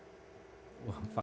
kalau gara gara dewan